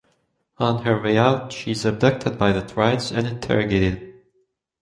On her way out, she is abducted by the Triads and interrogated.